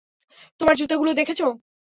তোমার জুতাগুলো দেখেছ?